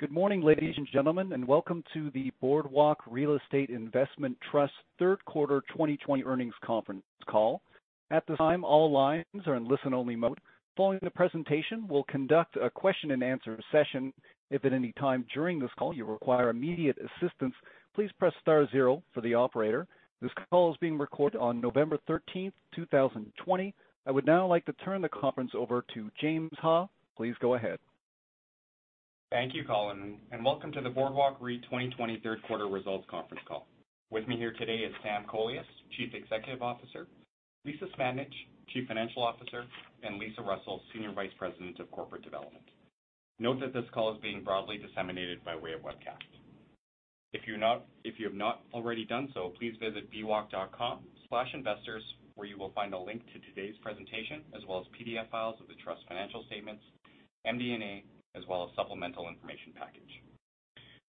Good morning, ladies and gentlemen, and welcome to the Boardwalk Real Estate Investment Trust third quarter 2020 earnings conference call. At this time, all lines are in listen-only mode. Following the presentation, we'll conduct a question and answer session. If at any time during this call you require immediate assistance, please press star zero for the operator. This call is being recorded on November 13th, 2020. I would now like to turn the conference over to James Ha. Please go ahead. Thank you, Colin, welcome to the Boardwalk REIT 2020 third quarter results conference call. With me here today is Sam Kolias, Chief Executive Officer, Lisa Smandych, Chief Financial Officer, and Lisa Russell, Senior Vice President of Corporate Development. Note that this call is being broadly disseminated by way of webcast. If you have not already done so, please visit bwalk.com/investors, where you will find a link to today's presentation, as well as PDF files of the Trust financial statements, MD&A, as well as supplemental information package.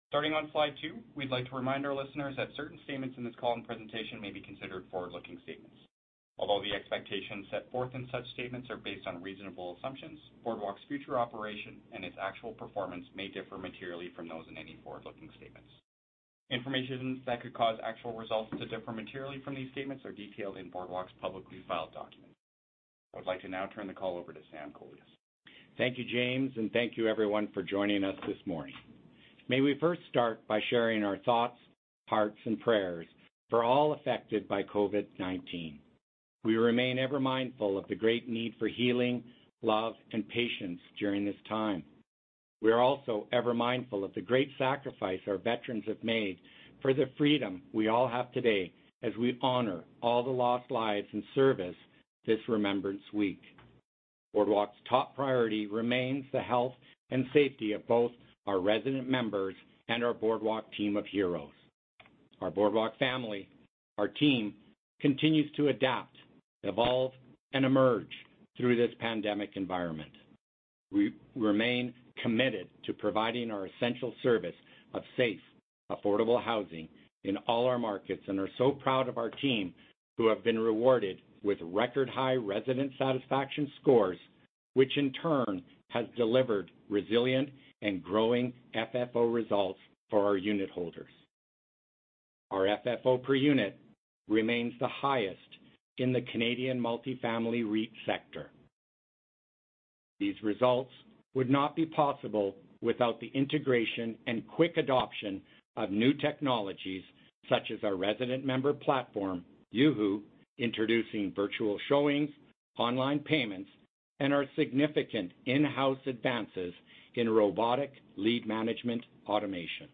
Starting on slide two, we'd like to remind our listeners that certain statements in this call and presentation may be considered forward-looking statements. Although the expectations set forth in such statements are based on reasonable assumptions, Boardwalk's future operation and its actual performance may differ materially from those in any forward-looking statements. Information that could cause actual results to differ materially from these statements are detailed in Boardwalk's publicly filed documents. I would like to now turn the call over to Sam Kolias. Thank you, James, and thank you everyone for joining us this morning. May we first start by sharing our thoughts, hearts, and prayers for all affected by COVID-19. We remain ever mindful of the great need for healing, love, and patience during this time. We are also ever mindful of the great sacrifice our veterans have made for the freedom we all have today, as we honor all the lost lives in service this remembrance week. Boardwalk's top priority remains the health and safety of both our resident members and our Boardwalk team of heroes. Our Boardwalk family, our team, continues to adapt, evolve, and emerge through this pandemic environment. We remain committed to providing our essential service of safe, affordable housing in all our markets and are so proud of our team, who have been rewarded with record-high resident satisfaction scores, which in turn has delivered resilient and growing FFO results for our unit holders. Our FFO per unit remains the highest in the Canadian multifamily REIT sector. These results would not be possible without the integration and quick adoption of new technologies such as our resident member platform, Yuhu, introducing virtual showings, online payments, and our significant in-house advances in robotic lead management automation.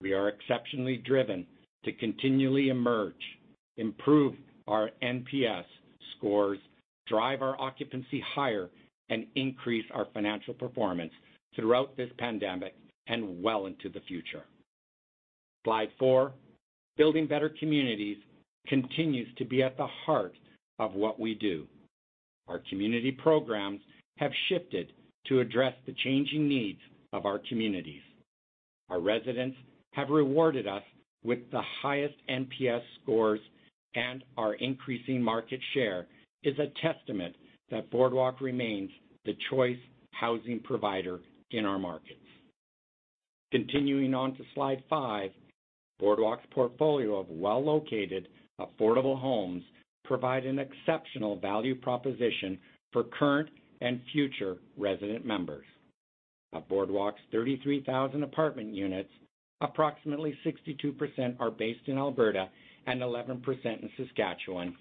We are exceptionally driven to continually emerge, improve our NPS scores, drive our occupancy higher, and increase our financial performance throughout this pandemic and well into the future. Slide four. Building better communities continues to be at the heart of what we do. Our community programs have shifted to address the changing needs of our communities. Our residents have rewarded us with the highest NPS scores, and our increasing market share is a testament that Boardwalk remains the choice housing provider in our markets. Continuing on to slide five, Boardwalk's portfolio of well-located affordable homes provide an exceptional value proposition for current and future resident members. Of Boardwalk's 33,000 apartment units, approximately 62% are based in Alberta and 11% in Saskatchewan,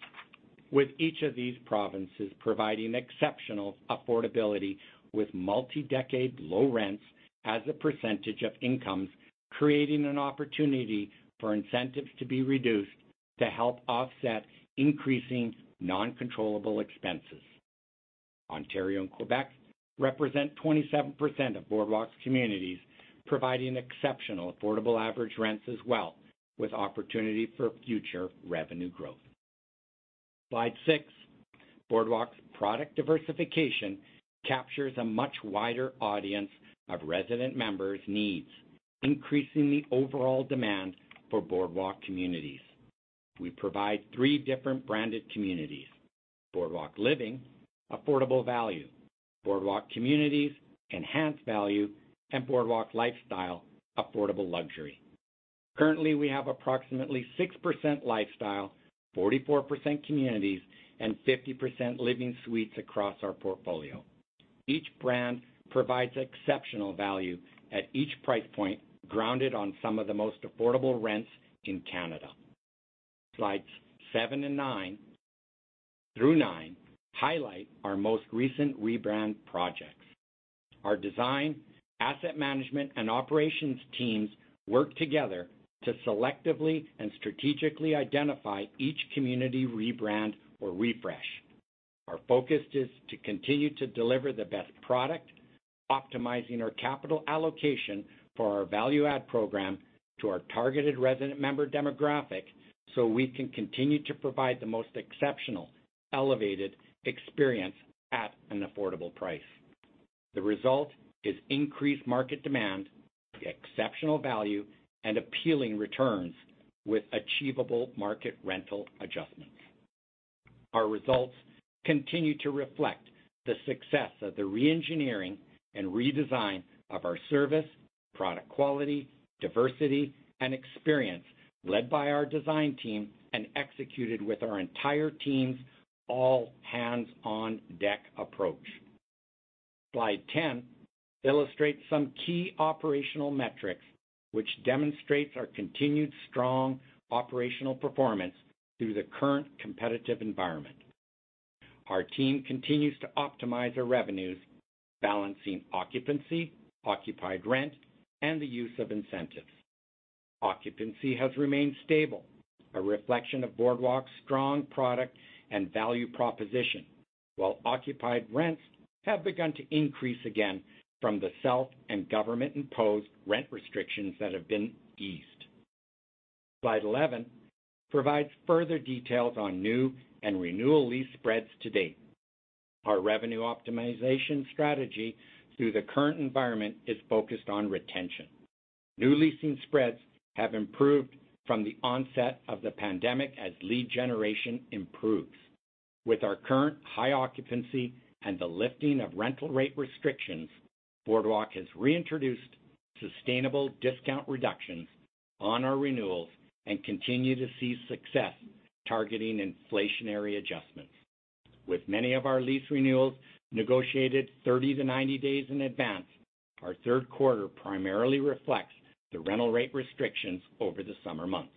with each of these provinces providing exceptional affordability with multi-decade low rents as a percentage of incomes, creating an opportunity for incentives to be reduced to help offset increasing non-controllable expenses. Ontario and Quebec represent 27% of Boardwalk's communities, providing exceptional affordable average rents as well, with opportunity for future revenue growth. Slide six. Boardwalk's product diversification captures a much wider audience of resident members' needs, increasing the overall demand for Boardwalk communities. We provide three different branded communities, Boardwalk Living, affordable value, Boardwalk Communities, enhanced value, and Boardwalk Lifestyle, affordable luxury. Currently, we have approximately 6% Lifestyle, 44% Communities, and 50% Living suites across our portfolio. Each brand provides exceptional value at each price point, grounded on some of the most affordable rents in Canada. Slides seven through nine highlight our most recent rebrand projects. Our design, asset management, and operations teams work together to selectively and strategically identify each community rebrand or refresh. Our focus is to continue to deliver the best product, optimizing our capital allocation for our value add program to our targeted resident member demographic, so we can continue to provide the most exceptional, elevated experience at an affordable price. The result is increased market demand, exceptional value, and appealing returns with achievable market rental adjustments. Our results continue to reflect the success of the re-engineering and redesign of our service, product quality, diversity, and experience led by our design team and executed with our entire team's all-hands-on-deck approach. Slide 10 illustrates some key operational metrics which demonstrates our continued strong operational performance through the current competitive environment. Our team continues to optimize our revenues, balancing occupancy, occupied rent, and the use of incentives. Occupancy has remained stable, a reflection of Boardwalk's strong product and value proposition, while occupied rents have begun to increase again from the self and government-imposed rent restrictions that have been eased. Slide 11 provides further details on new and renewal lease spreads to date. Our revenue optimization strategy through the current environment is focused on retention. New leasing spreads have improved from the onset of the pandemic as lead generation improves. With our current high occupancy and the lifting of rental rate restrictions, Boardwalk has reintroduced sustainable discount reductions on our renewals and continue to see success targeting inflationary adjustments. With many of our lease renewals negotiated 30-90 days in advance, our third quarter primarily reflects the rental rate restrictions over the summer months.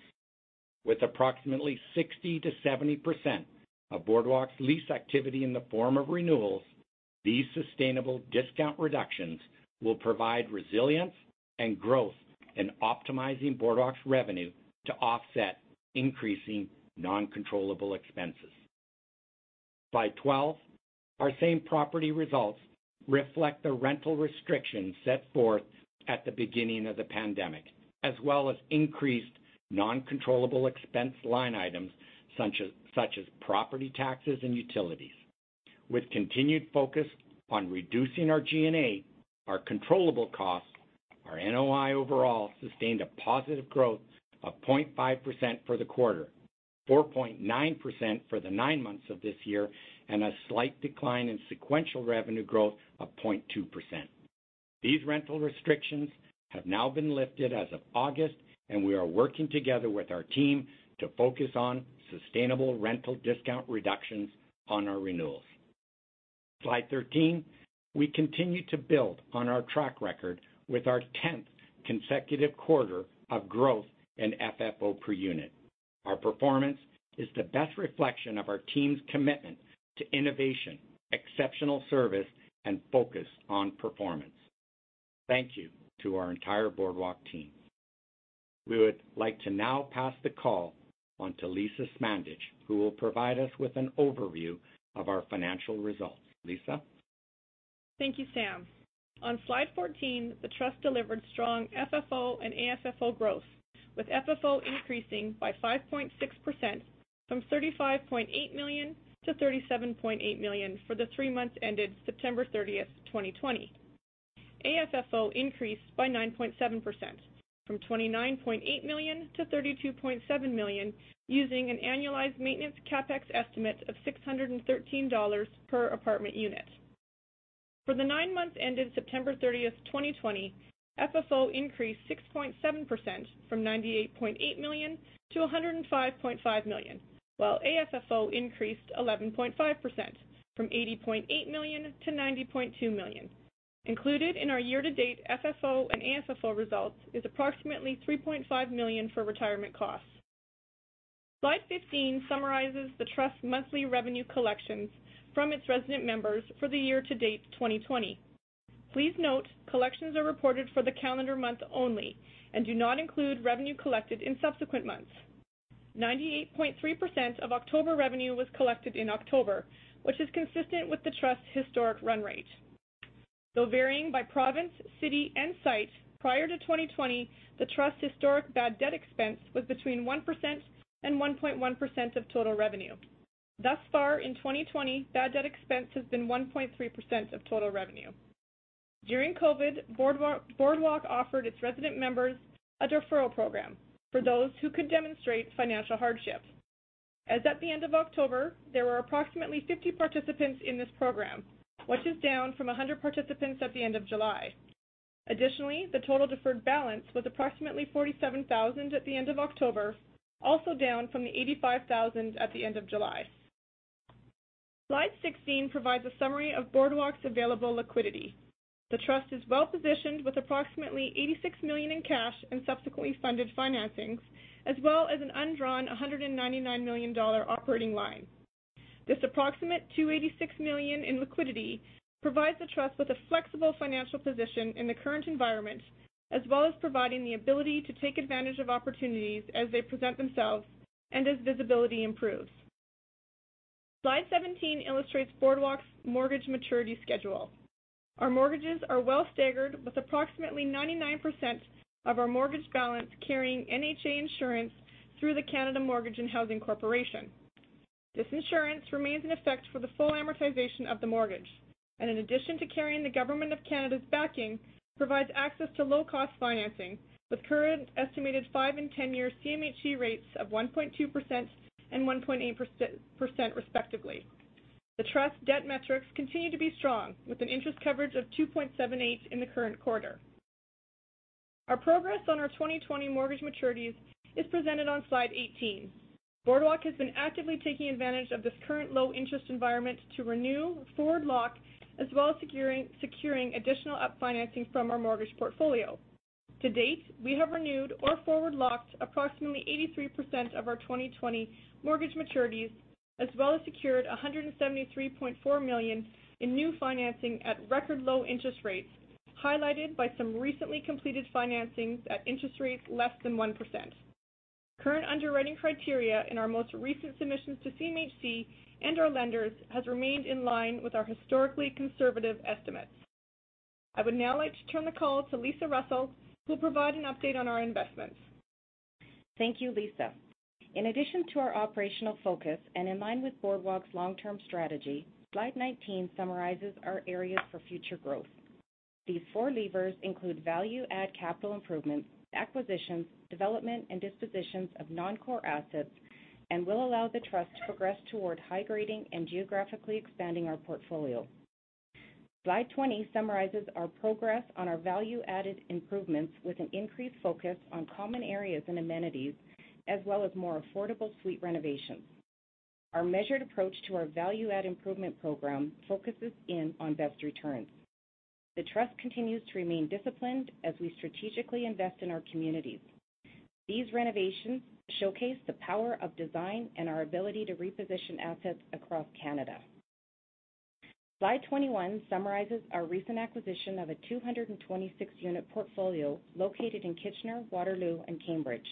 With approximately 60%-70% of Boardwalk's lease activity in the form of renewals, these sustainable discount reductions will provide resilience and growth in optimizing Boardwalk's revenue to offset increasing non-controllable expenses. Slide 12, our same property results reflect the rental restrictions set forth at the beginning of the pandemic, as well as increased non-controllable expense line items such as property taxes and utilities. With continued focus on reducing our G&A, our controllable costs, our NOI overall sustained a positive growth of 0.5% for the quarter, 4.9% for the nine months of this year, and a slight decline in sequential revenue growth of 0.2%. These rental restrictions have now been lifted as of August. We are working together with our team to focus on sustainable rental discount reductions on our renewals. Slide 13, we continue to build on our track record with our 10th consecutive quarter of growth in FFO per unit. Our performance is the best reflection of our team's commitment to innovation, exceptional service, and focus on performance. Thank you to our entire Boardwalk team. We would like to now pass the call on to Lisa Smandych, who will provide us with an overview of our financial results. Lisa? Thank you, Sam. On slide 14, the trust delivered strong FFO and AFFO growth, with FFO increasing by 5.6% from 35.8 million-37.8 million for the three months ended September 30th, 2020. AFFO increased by 9.7%, from 29.8 million-32.7 million, using an annualized maintenance CapEx estimate of 613 dollars per apartment unit. For the nine months ended September 30th, 2020, FFO increased 6.7%, from 98.8 million-105.5 million, while AFFO increased 11.5%, from 80.8 million-90.2 million. Included in our year-to-date FFO and AFFO results is approximately 3.5 million for retirement costs. Slide 15 summarizes the trust's monthly revenue collections from its resident members for the year-to-date 2020. Please note, collections are reported for the calendar month only and do not include revenue collected in subsequent months. 98.3% of October revenue was collected in October, which is consistent with the trust's historic run rate. Though varying by province, city, and site, prior to 2020, the trust's historic bad debt expense was between 1% and 1.1% of total revenue. Thus far in 2020, bad debt expense has been 1.3% of total revenue. During COVID, Boardwalk offered its resident members a deferral program for those who could demonstrate financial hardship. As at the end of October, there were approximately 50 participants in this program, which is down from 100 participants at the end of July. Additionally, the total deferred balance was approximately 47,000 at the end of October, also down from the 85,000 at the end of July. Slide 16 provides a summary of Boardwalk's available liquidity. The trust is well-positioned with approximately 86 million in cash and subsequently funded financings, as well as an undrawn 199 million dollar operating line. This approximate 286 million in liquidity provides the trust with a flexible financial position in the current environment, as well as providing the ability to take advantage of opportunities as they present themselves and as visibility improves. Slide 17 illustrates Boardwalk's mortgage maturity schedule. Our mortgages are well staggered with approximately 99% of our mortgage balance carrying NHA insurance through the Canada Mortgage and Housing Corporation. This insurance remain in effect for the full amortization of the mortgage. In addition to carrying the government of Canada's backing, provides access to low-cost financing, with current estimated five and 10-year CMHC rates of 1.2% and 1.8% respectively. The trust debt metrics continue to be strong, with an interest coverage of 2.78 in the current quarter. Our progress on our 2020 mortgage maturities is presented on slide 18. Boardwalk has been actively taking advantage of this current low-interest environment to renew, forward lock, as well as securing additional up financing from our mortgage portfolio. To date, we have renewed or forward locked approximately 83% of our 2020 mortgage maturities, as well as secured 173.4 million in new financing at record low interest rates, highlighted by some recently completed financings at interest rates less than 1%. Current underwriting criteria in our most recent submissions to CMHC and our lenders has remained in line with our historically conservative estimates. I would now like to turn the call to Lisa Russell, who will provide an update on our investments. Thank you, Lisa. In addition to our operational focus and in line with Boardwalk's long-term strategy, slide 19 summarizes our areas for future growth. These four levers include value-add capital improvements, acquisitions, development, and dispositions of non-core assets, and will allow the trust to progress toward high grading and geographically expanding our portfolio. Slide 20 summarizes our progress on our value-added improvements with an increased focus on common areas and amenities, as well as more affordable suite renovations. Our measured approach to our value-add improvement program focuses in on best returns. The trust continues to remain disciplined as we strategically invest in our communities. These renovations showcase the power of design and our ability to reposition assets across Canada. Slide 21 summarizes our recent acquisition of a 226-unit portfolio located in Kitchener, Waterloo, and Cambridge.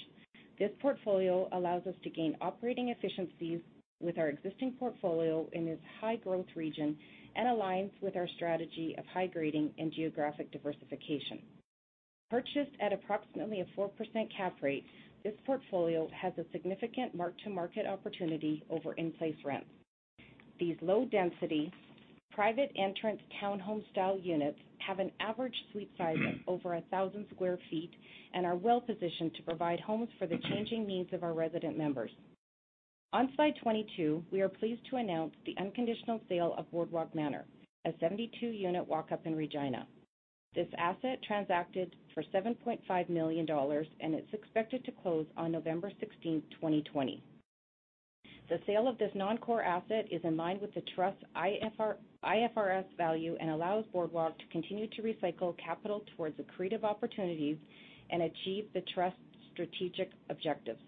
This portfolio allows us to gain operating efficiencies with our existing portfolio in this high-growth region and aligns with our strategy of high grading and geographic diversification. Purchased at approximately a 4% cap rate, this portfolio has a significant mark-to-market opportunity over in-place rents. These low-density, private entrance townhome style units have an average suite size of over 1,000 sq ft and are well-positioned to provide homes for the changing needs of our resident members. On slide 22, we are pleased to announce the unconditional sale of Boardwalk Manor, a 72-unit walk-up in Regina. This asset transacted for 7.5 million dollars and it's expected to close on November 16, 2020. The sale of this non-core asset is in line with the trust's IFRS value and allows Boardwalk to continue to recycle capital towards accretive opportunities and achieve the trust's strategic objectives.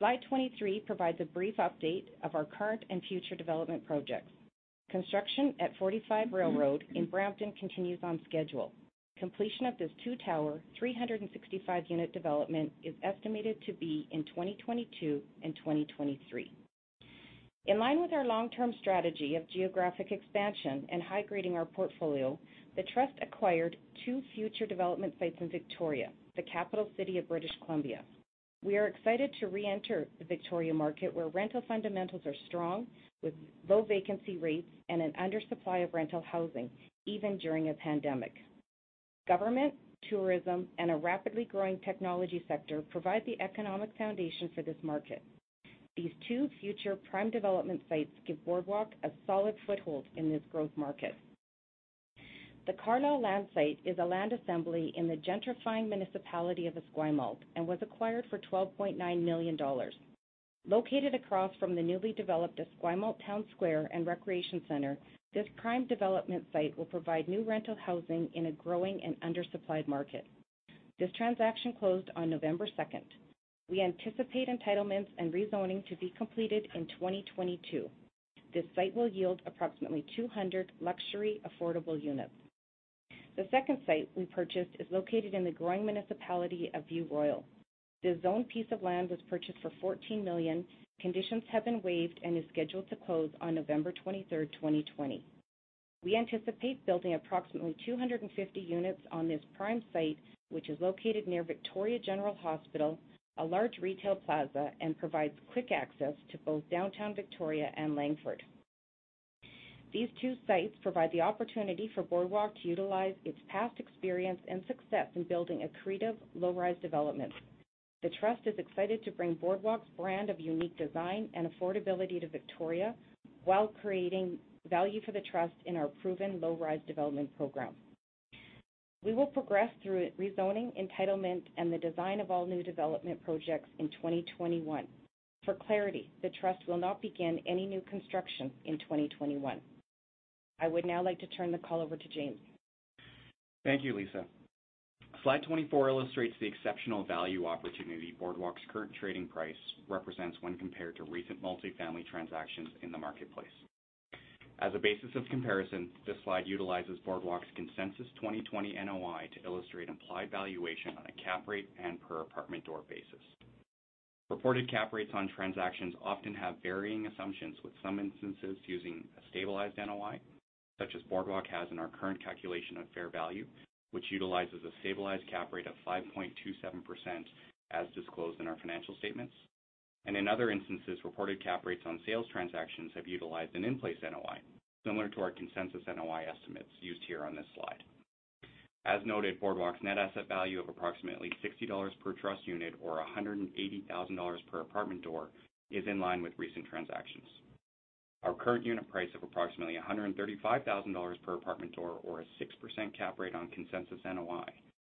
Slide 23 provides a brief update of our current and future development projects. Construction at 45 Railroad Street in Brampton continues on schedule. Completion of this two-tower, 365-unit development is estimated to be in 2022 and 2023. In line with our long-term strategy of geographic expansion and high grading our portfolio, the trust acquired two future development sites in Victoria, the capital city of British Columbia. We are excited to reenter the Victoria market where rental fundamentals are strong with low vacancy rates and an undersupply of rental housing even during a pandemic. Government, tourism, and a rapidly growing technology sector provide the economic foundation for this market. These two future prime development sites give Boardwalk a solid foothold in this growth market. The Carlisle Avenue land site is a land assembly in the gentrifying municipality of Esquimalt and was acquired for 12.9 million dollars. Located across from the newly developed Esquimalt Town Square and Recreation Centre, this prime development site will provide new rental housing in a growing and undersupplied market. This transaction closed on November second. We anticipate entitlements and rezoning to be completed in 2022. This site will yield approximately 200 luxury affordable units. The second site we purchased is located in the growing municipality of View Royal. This zoned piece of land was purchased for 14 million. Conditions have been waived and is scheduled to close on November 23rd, 2020. We anticipate building approximately 250 units on this prime site, which is located near Victoria General Hospital, a large retail plaza, and provides quick access to both downtown Victoria and Langford. These two sites provide the opportunity for Boardwalk to utilize its past experience and success in building accretive low-rise developments. The trust is excited to bring Boardwalk's brand of unique design and affordability to Victoria while creating value for the trust in our proven low-rise development program. We will progress through rezoning entitlement and the design of all new development projects in 2021. For clarity, the trust will not begin any new construction in 2021. I would now like to turn the call over to James. Thank you, Lisa. Slide 24 illustrates the exceptional value opportunity Boardwalk's current trading price represents when compared to recent multifamily transactions in the marketplace. As a basis of comparison, this slide utilizes Boardwalk's consensus 2020 NOI to illustrate implied valuation on a cap rate and per apartment door basis. Reported cap rates on transactions often have varying assumptions, with some instances using a stabilized NOI Such as Boardwalk has in our current calculation of fair value, which utilizes a stabilized cap rate of 5.27%, as disclosed in our financial statements. In other instances, reported cap rates on sales transactions have utilized an in-place NOI, similar to our consensus NOI estimates used here on this slide. As noted, Boardwalk's net asset value of approximately 60 dollars per trust unit or 180,000 dollars per apartment door is in line with recent transactions. Our current unit price of approximately 135,000 dollars per apartment door or a 6% cap rate on consensus NOI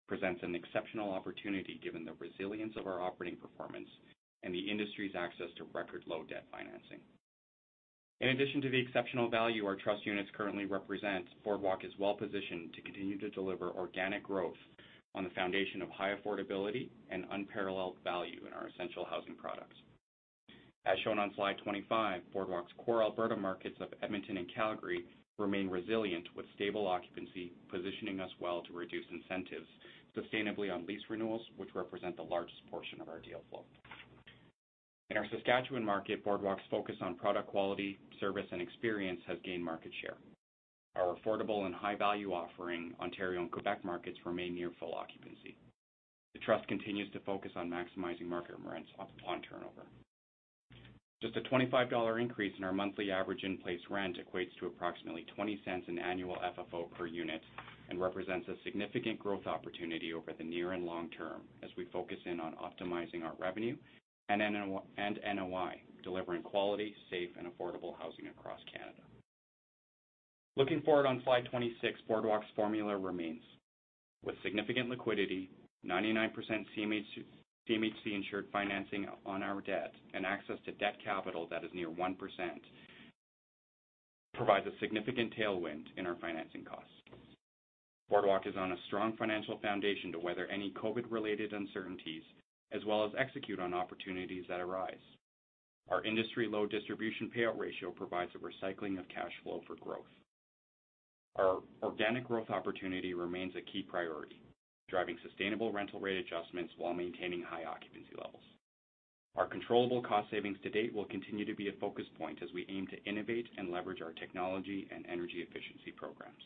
presents an exceptional opportunity given the resilience of our operating performance and the industry's access to record-low debt financing. In addition to the exceptional value our trust units currently represent, Boardwalk is well-positioned to continue to deliver organic growth on the foundation of high affordability and unparalleled value in our essential housing products. As shown on slide 25, Boardwalk's core Alberta markets of Edmonton and Calgary remain resilient with stable occupancy, positioning us well to reduce incentives sustainably on lease renewals, which represent the largest portion of our deal flow. In our Saskatchewan market, Boardwalk's focus on product quality, service, and experience has gained market share. Our affordable and high-value offering Ontario and Quebec markets remain near full occupancy. The trust continues to focus on maximizing market rents upon turnover. Just a 25 dollar increase in our monthly average in-place rent equates to approximately 0.20 in annual FFO per unit and represents a significant growth opportunity over the near and long term as we focus in on optimizing our revenue and NOI, delivering quality, safe, and affordable housing across Canada. Looking forward on slide 26, Boardwalk's formula remains. With significant liquidity, 99% CMHC-insured financing on our debt and access to debt capital that is near 1%, provides a significant tailwind in our financing costs. Boardwalk is on a strong financial foundation to weather any COVID-related uncertainties as well as execute on opportunities that arise. Our industry-low distribution payout ratio provides a recycling of cash flow for growth. Our organic growth opportunity remains a key priority, driving sustainable rental rate adjustments while maintaining high occupancy levels. Our controllable cost savings to date will continue to be a focus point as we aim to innovate and leverage our technology and energy efficiency programs.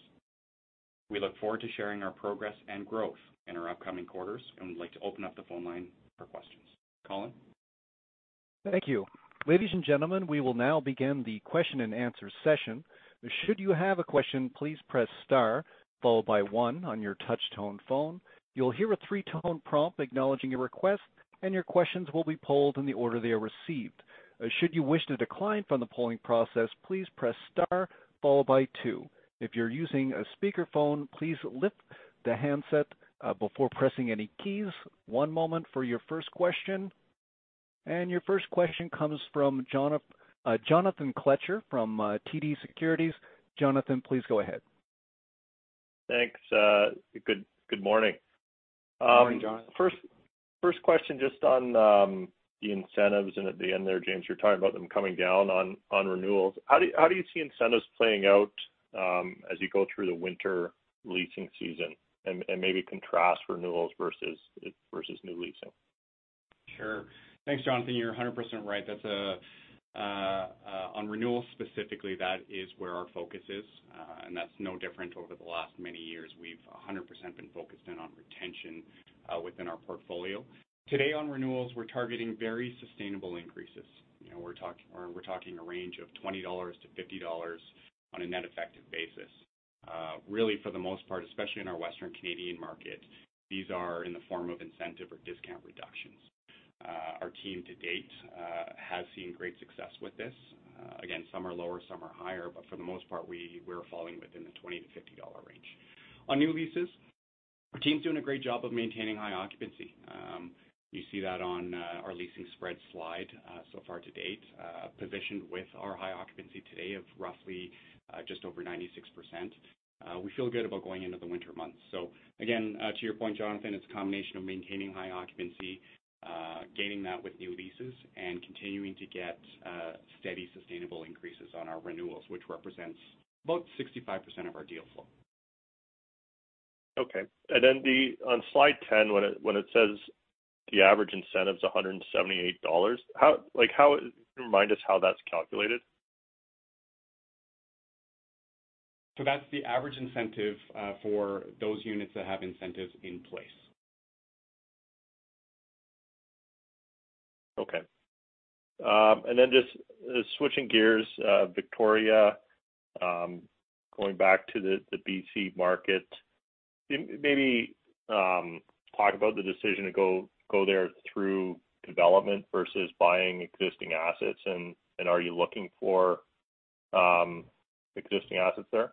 We look forward to sharing our progress and growth in our upcoming quarters, and we'd like to open up the phone line for questions. Colin? Thank you. Ladies and gentlemen, we will now begin the question and answer session. Your first question comes from Jonathan Kelcher from TD Securities. Jonathan, please go ahead. Thanks. Good morning. Morning, Jonathan. First question just on the incentives. At the end there, James, you were talking about them coming down on renewals. How do you see incentives playing out as you go through the winter leasing season? Maybe contrast renewals versus new leasing. Sure. Thanks, Jonathan. You're 100% right. On renewals specifically, that is where our focus is. That's no different over the last many years. We've 100% been focused in on retention within our portfolio. Today on renewals, we're targeting very sustainable increases. We're talking a range of 20-50 dollars on a net effective basis. Really, for the most part, especially in our Western Canadian market, these are in the form of incentive or discount reductions. Our team to date has seen great success with this. Again, some are lower, some are higher, but for the most part, we're falling within the 20-50 dollar range. On new leases, our team's doing a great job of maintaining high occupancy. You see that on our leasing spread slide so far to date. Positioned with our high occupancy today of roughly just over 96%. We feel good about going into the winter months. Again, to your point, Jonathan, it's a combination of maintaining high occupancy, gaining that with new leases, and continuing to get steady, sustainable increases on our renewals, which represents about 65% of our deal flow. Okay. Then on slide 10, when it says the average incentive is 178 dollars, remind us how that's calculated. That's the average incentive for those units that have incentives in place. Okay. Just switching gears. Victoria, going back to the B.C. market, maybe talk about the decision to go there through development versus buying existing assets, and are you looking for existing assets there?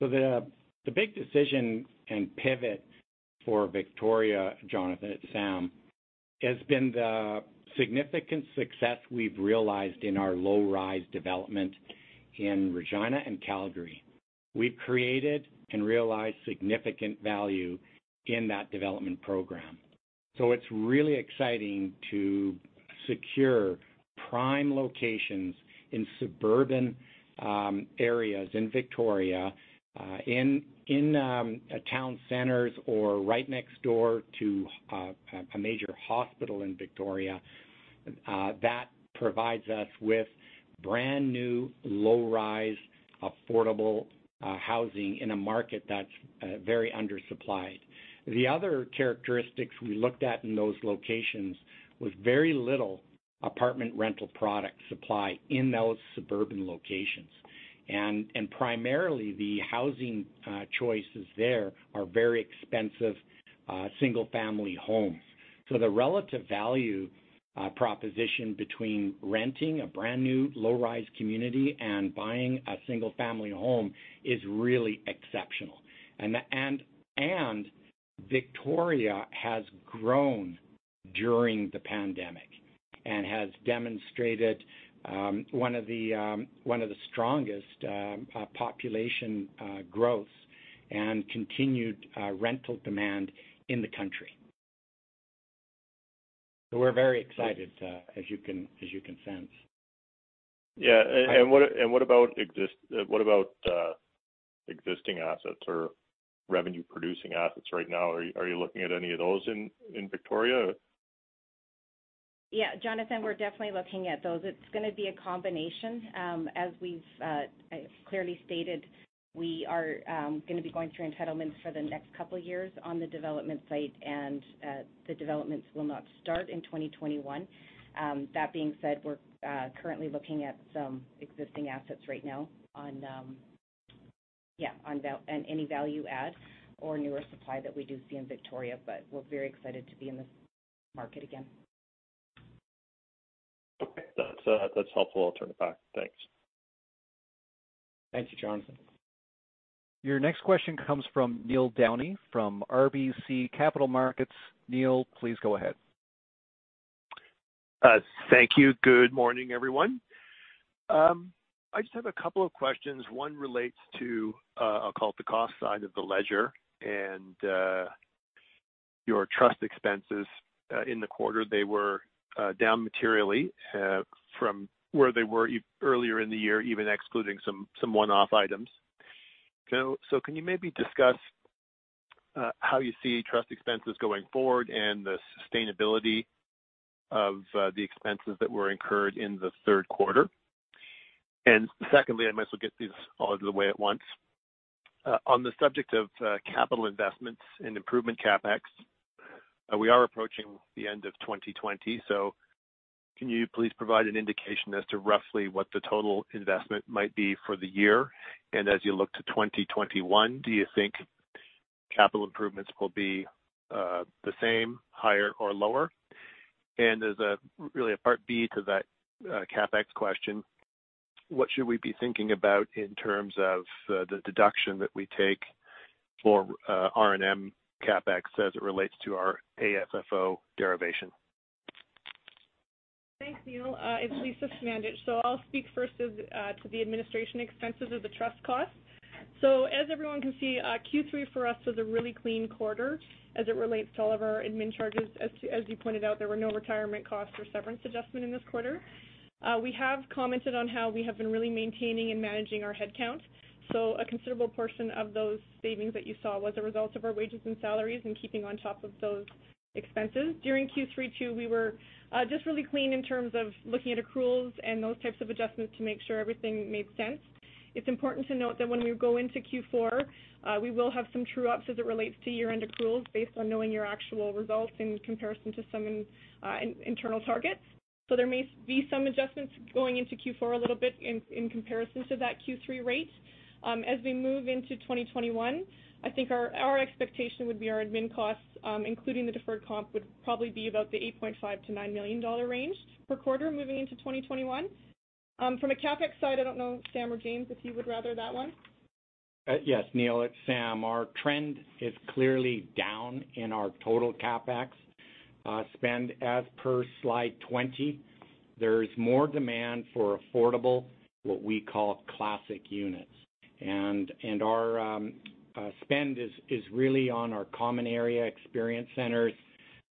The big decision and pivot for Victoria, Jonathan, it's Sam, has been the significant success we've realized in our low-rise development in Regina and Calgary. We've created and realized significant value in that development program. It's really exciting to secure prime locations in suburban areas in Victoria, in town centers or right next door to a major hospital in Victoria. That provides us with brand-new, low-rise, affordable housing in a market that's very undersupplied. The other characteristics we looked at in those locations was very little apartment rental product supply in those suburban locations. Primarily, the housing choices there are very expensive single-family homes. The relative value proposition between renting a brand-new low-rise community and buying a single-family home is really exceptional. Victoria has grown during the pandemic and has demonstrated one of the strongest population growths and continued rental demand in the country. We're very excited, as you can sense. Yeah. What about existing assets or revenue-producing assets right now? Are you looking at any of those in Victoria? Yeah, Jonathan, we're definitely looking at those. It's going to be a combination. As we've clearly stated, we are going to be going through entitlements for the next couple of years on the development site, and the developments will not start in 2021. That being said, we're currently looking at some existing assets right now on any value add or newer supply that we do see in Victoria. We're very excited to be in this market again. Okay. That's helpful. I'll turn it back. Thanks. Thank you, Jonathan. Your next question comes from Neil Downey from RBC Capital Markets. Neil, please go ahead. Thank you. Good morning, everyone. I just have a couple of questions. One relates to, I'll call it the cost side of the ledger and your trust expenses. In the quarter, they were down materially from where they were earlier in the year, even excluding some one-off items. Can you maybe discuss how you see trust expenses going forward and the sustainability of the expenses that were incurred in the third quarter? Secondly, I might as well get these all out of the way at once. On the subject of capital investments and improvement CapEx, we are approaching the end of 2020. Can you please provide an indication as to roughly what the total investment might be for the year? As you look to 2021, do you think capital improvements will be the same, higher or lower? There's really a part B to that CapEx question. What should we be thinking about in terms of the deduction that we take for R&M CapEx as it relates to our AFFO derivation? Thanks, Neil. It's Lisa Smandych. I'll speak first to the administration expenses of the trust cost. As everyone can see, Q3 for us was a really clean quarter as it relates to all of our admin charges. As you pointed out, there were no retirement costs or severance adjustment in this quarter. We have commented on how we have been really maintaining and managing our headcount, a considerable portion of those savings that you saw was a result of our wages and salaries and keeping on top of those expenses. During Q3 too, we were just really clean in terms of looking at accruals and those types of adjustments to make sure everything made sense. It's important to note that when we go into Q4, we will have some true-ups as it relates to year-end accruals based on knowing your actual results in comparison to some internal targets. There may be some adjustments going into Q4 a little bit in comparison to that Q3 rate. As we move into 2021, I think our expectation would be our admin costs, including the deferred comp, would probably be about the 8.5 million-9 million dollar range per quarter moving into 2021. From a CapEx side, I don't know, Sam or James, if you would rather that one. Yes, Neil, it's Sam. Our trend is clearly down in our total CapEx spend as per slide 20. There's more demand for affordable, what we call classic units. Our spend is really on our common area experience centers,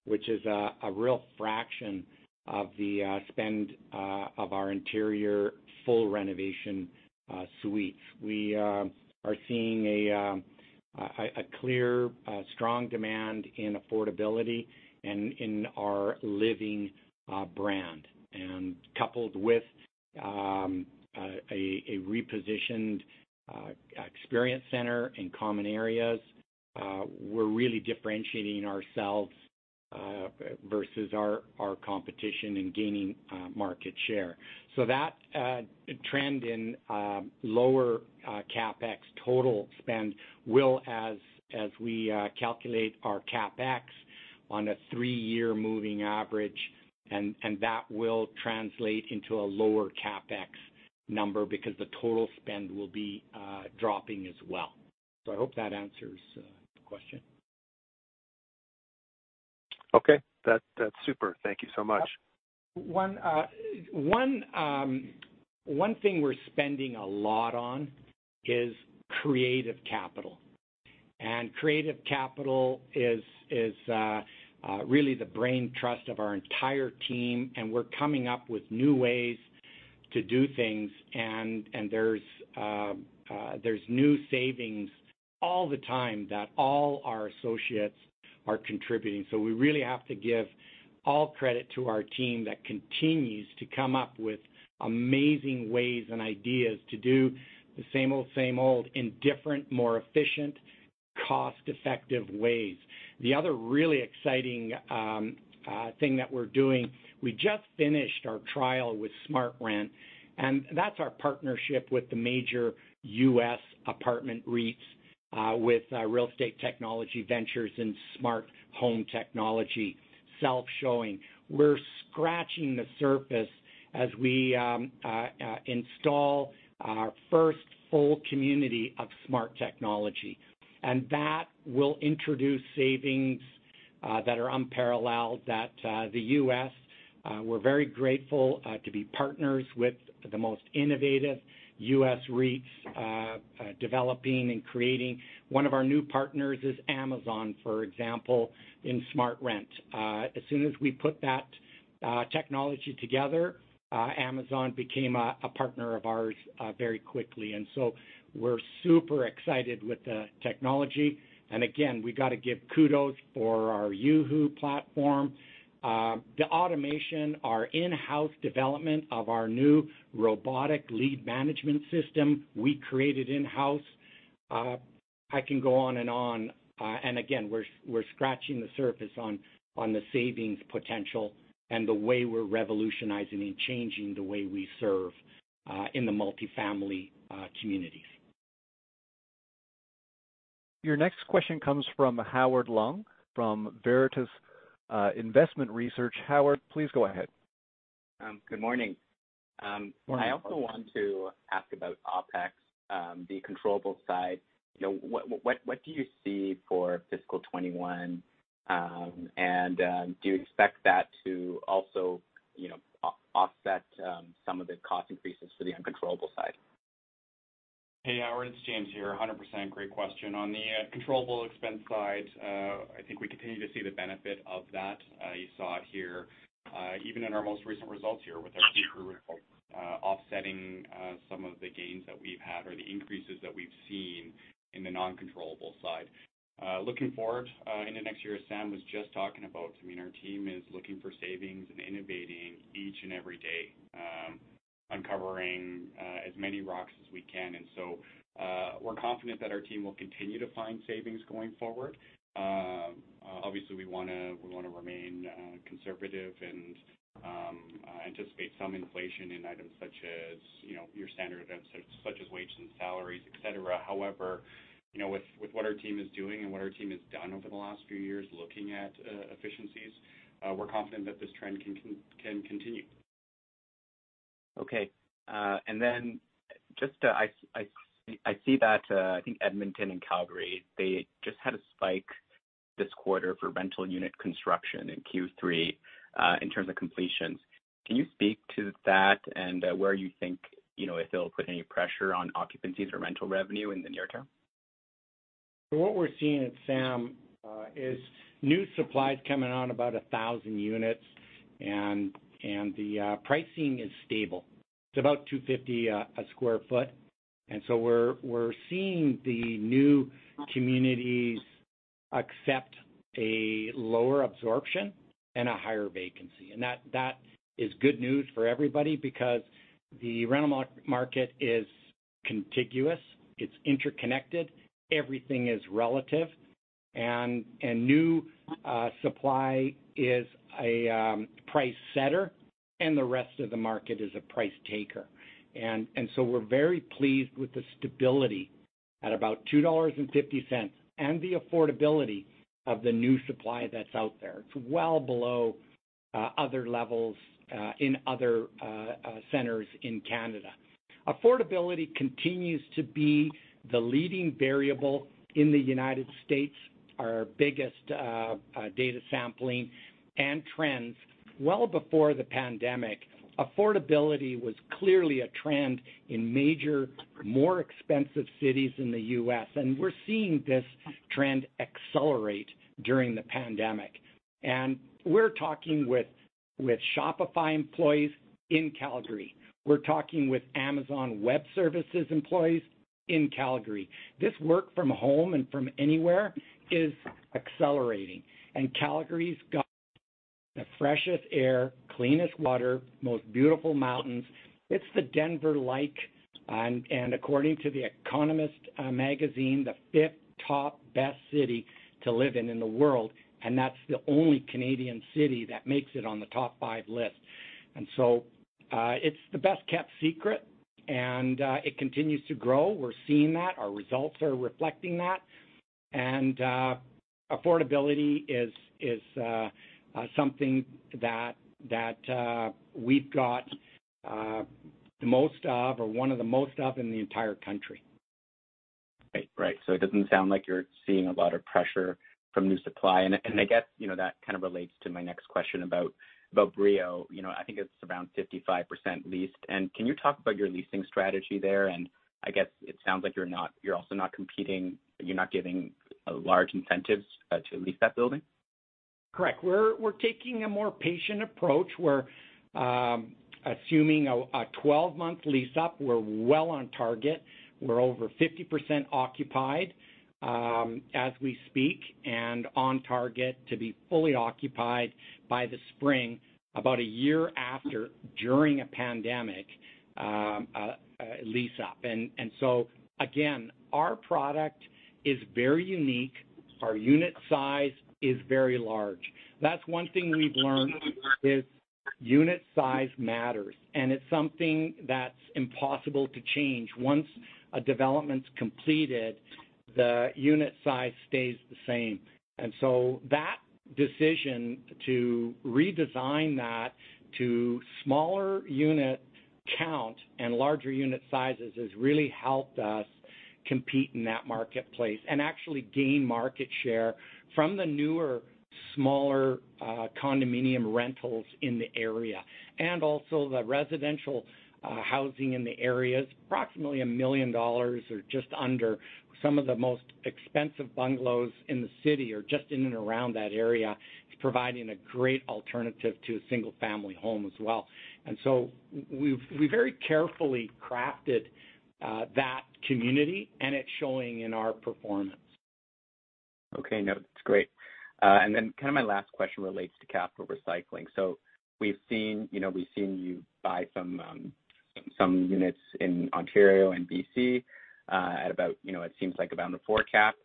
which is a real fraction of the spend of our interior full renovation suites. We are seeing a clear, strong demand in affordability and in our Living brand. Coupled with a repositioned experience center and common areas, we're really differentiating ourselves versus our competition and gaining market share. That trend in lower CapEx total spend will, as we calculate our CapEx on a three-year moving average, and that will translate into a lower CapEx number because the total spend will be dropping as well. I hope that answers the question. Okay. That's super. Thank you so much. One thing we're spending a lot on is creative capital. Creative capital is really the brain trust of our entire team, and we're coming up with new ways to do things and there's new savings all the time that all our associates are contributing. We really have to give all credit to our team that continues to come up with amazing ways and ideas to do the same old, same old in different, more efficient, cost-effective ways. The other really exciting thing that we're doing, we just finished our trial with SmartRent, and that's our partnership with the major U.S. apartment REITs, with Real Estate Technology Ventures and smart home technology, self-showing. We're scratching the surface as we install our first full community of smart technology. That will introduce savings that are unparalleled that the U.S., we're very grateful to be partners with the most innovative U.S. REITs, developing and creating. One of our new partners is Amazon, for example, in SmartRent. As soon as we put that technology together, Amazon became a partner of ours very quickly. So we're super excited with the technology. Again, we got to give kudos for our Yuhu platform. The automation, our in-house development of our new robotic lead management system we created in-house. I can go on and on. Again, we're scratching the surface on the savings potential and the way we're revolutionizing and changing the way we serve in the multifamily communities. Your next question comes from Howard Leung from Veritas Investment Research. Howard, please go ahead. Good morning. Morning. I also want to ask about OpEx, the controllable side. What do you see for fiscal 2021, and do you expect that to also offset some of the cost increases for the uncontrollable side? Hey, Howard, it's James here. 100% great question. On the controllable expense side, I think we continue to see the benefit of that. You saw it here, even in our most recent results here with our Q3 report offsetting some of the gains that we've had or the increases that we've seen in the non-controllable side. Looking forward into next year, Sam was just talking about, our team is looking for savings and innovating each and every day, uncovering as many rocks as we can. We're confident that our team will continue to find savings going forward. Obviously, we want to remain conservative and anticipate some inflation in items such as your standard events, such as wages and salaries, et cetera. With what our team is doing and what our team has done over the last few years, looking at efficiencies, we're confident that this trend can continue. Okay. I see that I think Edmonton and Calgary, they just had a spike this quarter for rental unit construction in Q3 in terms of completions. Can you speak to that and where you think if they'll put any pressure on occupancies or rental revenue in the near term? What we're seeing, Sam, is new supplies coming on about 1,000 units, and the pricing is stable. It's about 2.50 a square foot. We're seeing the new communities accept a lower absorption and a higher vacancy. That is good news for everybody because the rental market is contiguous, it's interconnected, everything is relative. New supply is a price setter and the rest of the market is a price taker. We're very pleased with the stability at about 2.50 dollars and the affordability of the new supply that's out there. It's well below other levels in other centers in Canada. Affordability continues to be the leading variable in the United States, our biggest data sampling and trends. Well before the pandemic, affordability was clearly a trend in major, more expensive cities in the U.S., and we're seeing this trend accelerate during the pandemic. We're talking with Shopify employees in Calgary. We're talking with Amazon Web Services employees in Calgary. This work from home and from anywhere is accelerating. Calgary's got the freshest air, cleanest water, most beautiful mountains. It's the Denver-like, and according to The Economist magazine, the fifth top best city to live in in the world. That's the only Canadian city that makes it on the top five list. It's the best-kept secret, and it continues to grow. We're seeing that. Our results are reflecting that. Affordability is something that we've got the most of or one of the most of in the entire country. Right. It doesn't sound like you're seeing a lot of pressure from new supply. I guess, that kind of relates to my next question about Brio. I think it's around 55% leased. Can you talk about your leasing strategy there? I guess it sounds like you're also not competing, you're not giving large incentives to lease that building. Correct. We're taking a more patient approach. We're assuming a 12-month lease up. We're well on target. We're over 50% occupied as we speak, and on target to be fully occupied by the spring, about a year after, during a pandemic, lease up. Again, our product is very unique. Our unit size is very large. That's one thing we've learned is unit size matters, and it's something that's impossible to change. Once a development's completed, the unit size stays the same. That decision to redesign that to smaller unit count and larger unit sizes has really helped us compete in that marketplace and actually gain market share from the newer, smaller condominium rentals in the area. The residential housing in the area is approximately 1 million dollars or just under. Some of the most expensive bungalows in the city are just in and around that area. It's providing a great alternative to a single-family home as well. We very carefully crafted that community, and it's showing in our performance. Okay. No, that's great. Then kind of my last question relates to capital recycling. We've seen you buy some units in Ontario and BC at about, it seems like, around the four cap.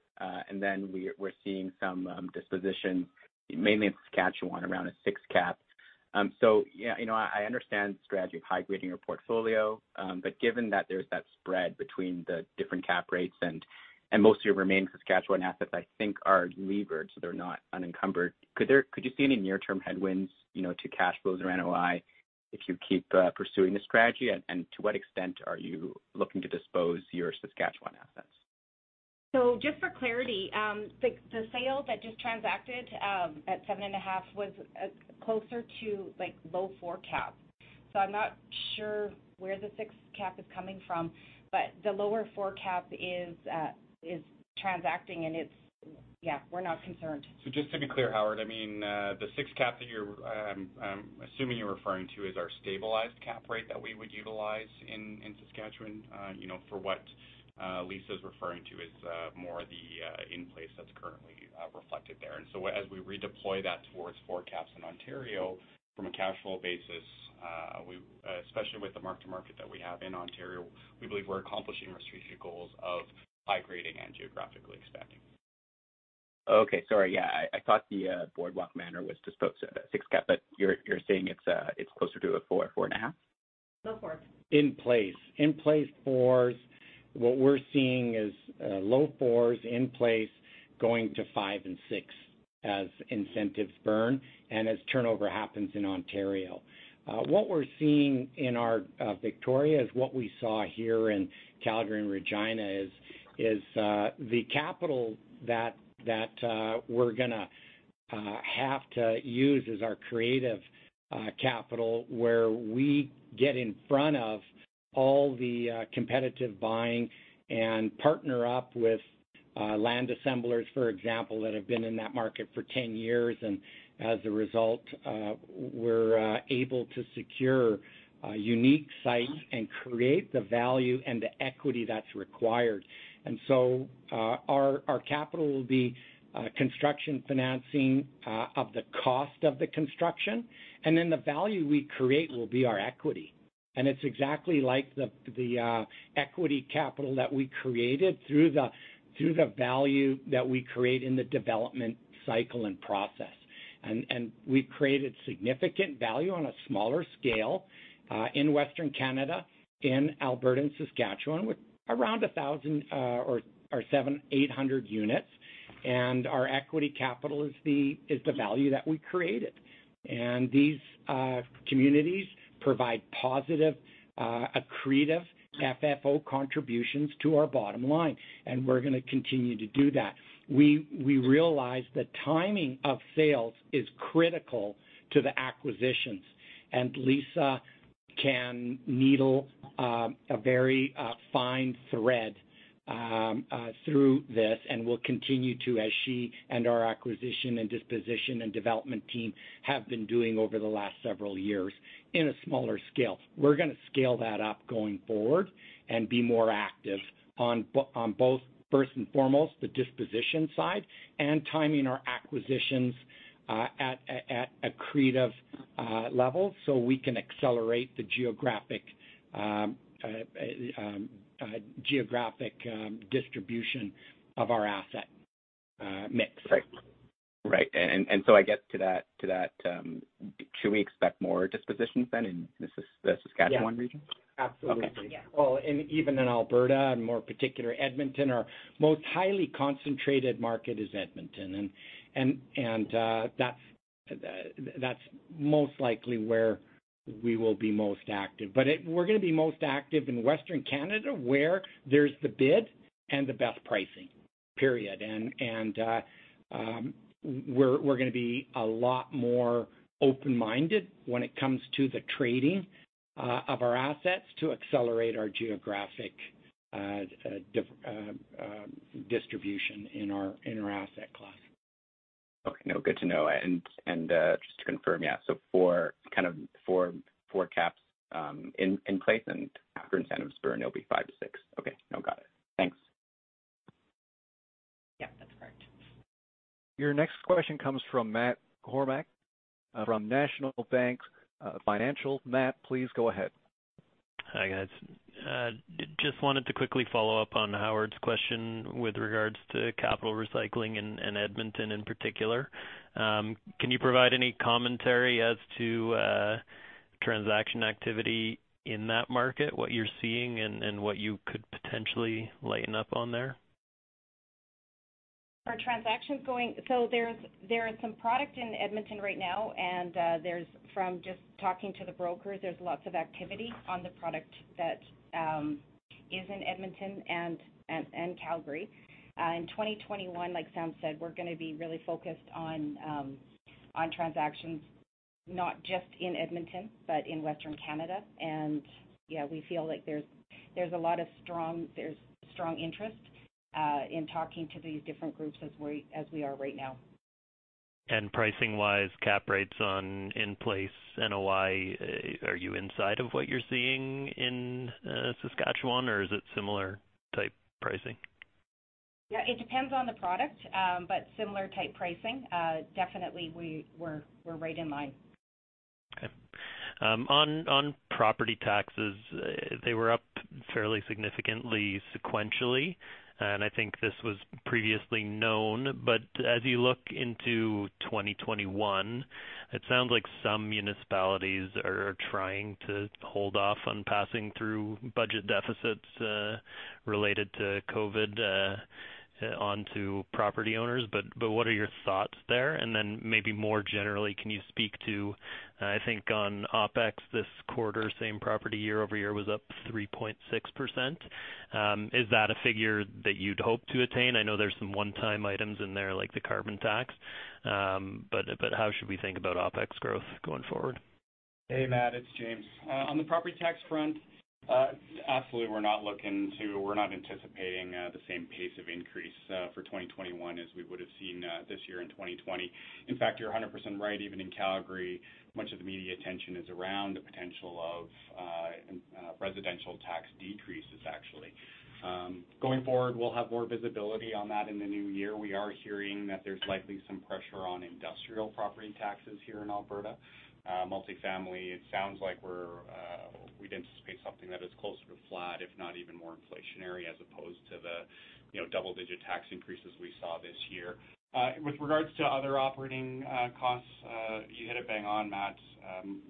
Then we're seeing some disposition, mainly in Saskatchewan, around a six cap. Yeah, I understand the strategy of high-grading your portfolio. Given that there's that spread between the different cap rates and most of your remaining Saskatchewan assets, I think, are levered, so they're not unencumbered. Could you see any near-term headwinds to cash flows or NOI if you keep pursuing this strategy? To what extent are you looking to dispose your Saskatchewan assets? Just for clarity, the sale that just transacted at seven and a half was closer to low four cap. I'm not sure where the six cap is coming from. The lower four cap is transacting, and yeah, we're not concerned. Just to be clear, Howard, the six cap that I'm assuming you're referring to is our stabilized cap rate that we would utilize in Saskatchewan. For what Lisa's referring to is more the in-place that's currently reflected there. As we redeploy that towards four caps in Ontario from a cash flow basis, especially with the mark-to-market that we have in Ontario, we believe we're accomplishing our strategic goals of high grading and geographically expanding. Okay. Sorry. Yeah, I thought the Boardwalk Manor was disposed of at six cap, but you're saying it's closer to a four and a half? Low fours. In place. In place fours. What we're seeing is low fours in place going to five and six as incentives burn and as turnover happens in Ontario. What we're seeing in Victoria is what we saw here in Calgary and Regina is the capital that we're going to have to use is our creative capital, where we get in front of all the competitive buying and partner up with land assemblers, for example, that have been in that market for 10 years. As a result, we're able to secure unique sites and create the value and the equity that's required. Our capital will be construction financing of the cost of the construction, and then the value we create will be our equity. It's exactly like the equity capital that we created through the value that we create in the development cycle and process. We've created significant value on a smaller scale in Western Canada, in Alberta and Saskatchewan, with around 1,000 or 700, 800 units. Our equity capital is the value that we created. These communities provide positive accretive FFO contributions to our bottom line, and we're going to continue to do that. We realize the timing of sales is critical to the acquisitions. Lisa can needle a very fine thread through this and will continue to as she and our acquisition and disposition and development team have been doing over the last several years in a smaller scale. We're going to scale that up going forward and be more active on both, first and foremost, the disposition side and timing our acquisitions at accretive levels so we can accelerate the geographic distribution of our asset mix. Right. I guess to that, should we expect more dispositions then in the Saskatchewan region? Yeah. Absolutely. Okay. Yeah. Well, even in Alberta, and more particular Edmonton, our most highly concentrated market is Edmonton. That's most likely where we will be most active. We're going to be most active in Western Canada, where there's the bid and the best pricing, period. We're going to be a lot more open-minded when it comes to the trading of our assets to accelerate our geographic A distribution in our asset class. Okay. No, good to know. Just to confirm, yeah, so 4% caps in place and after incentives burn, it'll be 5%-6%. Okay. No, got it. Thanks. Yeah, that's correct. Your next question comes from Matt Kornack from National Bank Financial. Matt, please go ahead. Hi, guys. Just wanted to quickly follow up on Howard's question with regards to capital recycling in Edmonton in particular. Can you provide any commentary as to transaction activity in that market, what you're seeing and what you could potentially lighten up on there? There is some product in Edmonton right now. From just talking to the brokers, there's lots of activity on the product that is in Edmonton and Calgary. In 2021, like Sam said, we're going to be really focused on transactions, not just in Edmonton, but in Western Canada. Yeah, we feel like there's strong interest in talking to these different groups as we are right now. Pricing-wise, cap rates on in-place NOI, are you inside of what you're seeing in Saskatchewan, or is it similar type pricing? Yeah, it depends on the product, but similar type pricing. Definitely we're right in line. Okay. On property taxes, they were up fairly significantly sequentially, I think this was previously known. As you look into 2021, it sounds like some municipalities are trying to hold off on passing through budget deficits related to COVID onto property owners. What are your thoughts there? Then maybe more generally, can you speak to, I think on OpEx this quarter, same property year-over-year was up 3.6%. Is that a figure that you'd hope to attain? I know there's some one-time items in there like the carbon tax. How should we think about OpEx growth going forward? Hey, Matt, it's James. On the property tax front, absolutely we're not anticipating the same pace of increase for 2021 as we would have seen this year in 2020. In fact, you're 100% right, even in Calgary, much of the media attention is around the potential of residential tax decreases, actually. Going forward, we'll have more visibility on that in the new year. We are hearing that there's likely some pressure on industrial property taxes here in Alberta. Multifamily, it sounds like we'd anticipate something that is closer to flat, if not even more inflationary, as opposed to the double-digit tax increases we saw this year. With regards to other operating costs, you hit it bang on, Matt.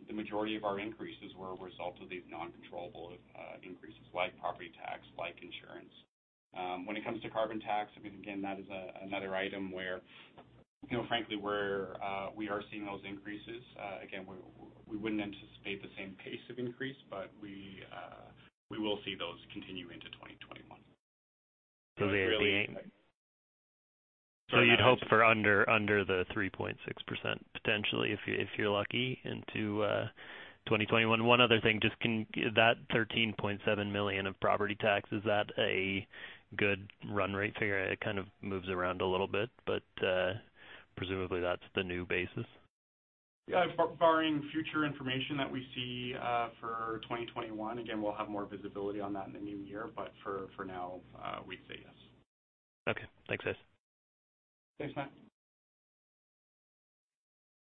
The majority of our increases were a result of these non-controllable increases like property tax, like insurance. When it comes to carbon tax, I mean, again, that is another item where frankly, we are seeing those increases. Again, we wouldn't anticipate the same pace of increase, but we will see those continue into 2021. You'd hope for under the 3.6%, potentially, if you're lucky into 2021. One other thing, just that 13.7 million of property tax, is that a good run rate figure? It kind of moves around a little bit, but presumably that's the new basis. Yeah, barring future information that we see for 2021. We'll have more visibility on that in the new year. For now, we'd say yes. Okay. Thanks, guys. Thanks, Matt.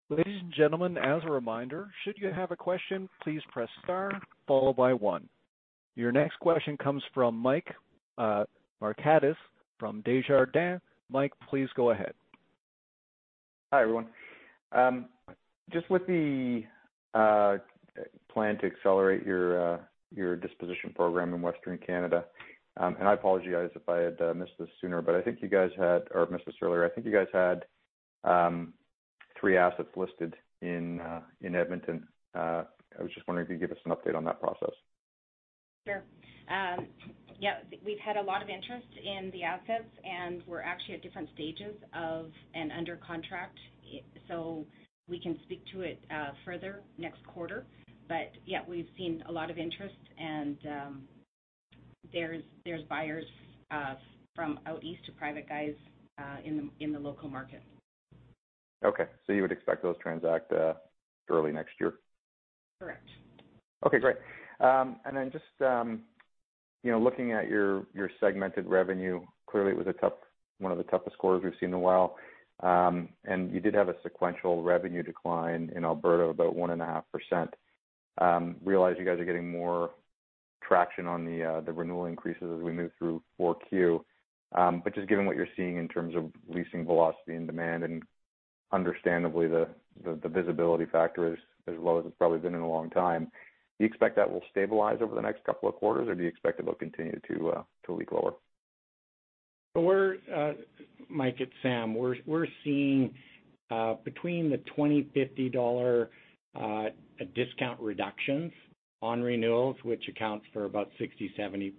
Ladies and gentlemen, as a reminder, should you have a question, please press star, followed by one. Your next question comes from Mike Markidis from Desjardins. Mike, please go ahead. Hi, everyone. Just with the plan to accelerate your disposition program in Western Canada, I apologize if I had missed this earlier, but I think you guys had three assets listed in Edmonton. I was just wondering if you could give us an update on that process? Sure. Yeah, we've had a lot of interest in the assets, and we're actually at different stages of an under contract. We can speak to it further next quarter. Yeah, we've seen a lot of interest, and there's buyers from out east to private guys in the local market. Okay. You would expect those transact early next year? Correct. Then just looking at your segmented revenue, clearly it was one of the toughest quarters we've seen in a while. You did have a sequential revenue decline in Alberta, about 1.5%. Realize you guys are getting more traction on the renewal increases as we move through 4Q. Just given what you're seeing in terms of leasing velocity and demand, and understandably, the visibility factor is as low as it's probably been in a long time. Do you expect that will stabilize over the next couple of quarters, or do you expect it will continue to leak lower? Mike, it's Sam. We're seeing between the 20-50 dollar discount reductions on renewals, which accounts for about 60%-70%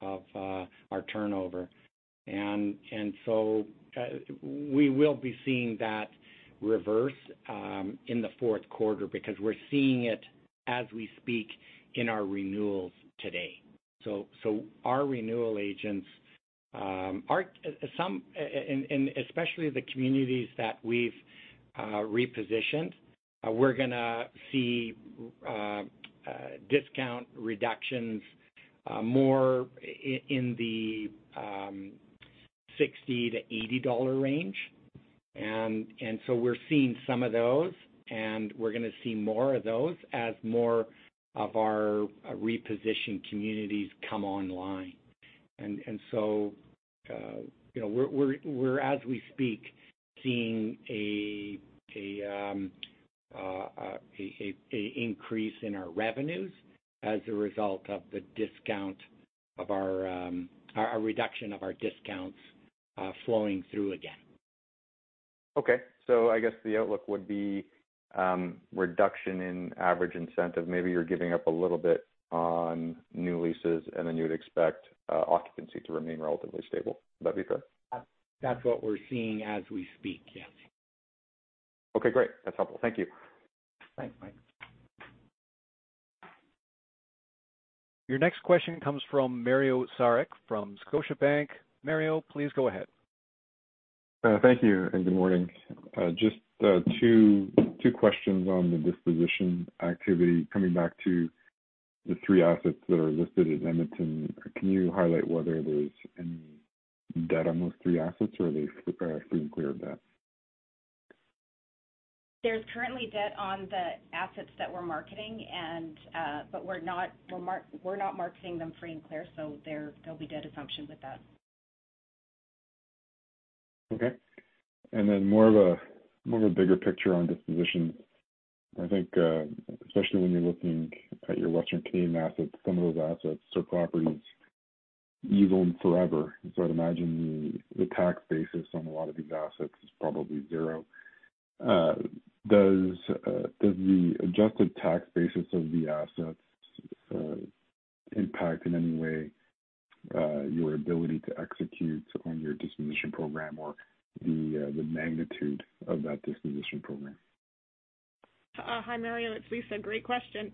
of our turnover. We will be seeing that reverse in the fourth quarter because we're seeing it as we speak in our renewals today. Our renewal agents, especially the communities that we've repositioned, we're going to see discount reductions more in the 60-80 dollar range. We're seeing some of those, and we're going to see more of those as more of our repositioned communities come online. We're, as we speak, seeing an increase in our revenues as a result of the reduction of our discounts flowing through again. Okay. I guess the outlook would be reduction in average incentive. Maybe you're giving up a little bit on new leases, and then you would expect occupancy to remain relatively stable. Would that be fair? That's what we're seeing as we speak, yes. Okay, great. That's helpful. Thank you. Thanks, Mike. Your next question comes from Mario Saric from Scotiabank. Mario, please go ahead. Thank you, and good morning. Just two questions on the disposition activity. Coming back to the three assets that are listed in Edmonton, can you highlight whether there's any debt on those three assets, or are they free and clear of debt? There's currently debt on the assets that we're marketing, but we're not marketing them free and clear, so there'll be debt assumption with that. Okay. More of a bigger picture on disposition. I think, especially when you're looking at your Western Canada assets, some of those assets or properties, you've owned forever. I'd imagine the tax basis on a lot of these assets is probably zero. Does the adjusted tax basis of the assets impact in any way your ability to execute on your disposition program or the magnitude of that disposition program? Hi, Mario. It's Lisa. Great question.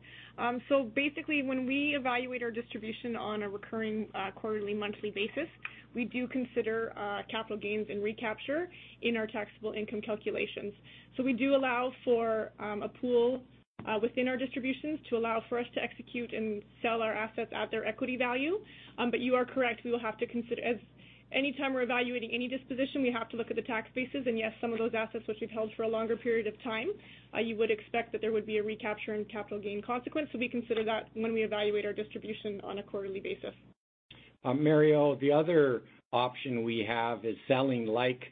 Basically, when we evaluate our distribution on a recurring quarterly, monthly basis, we do consider capital gains and recapture in our taxable income calculations. We do allow for a pool within our distributions to allow for us to execute and sell our assets at their equity value. You are correct. Any time we're evaluating any disposition, we have to look at the tax basis. Yes, some of those assets which we've held for a longer period of time, you would expect that there would be a recapture and capital gain consequence. We consider that when we evaluate our distribution on a quarterly basis. Mario, the other option we have is selling like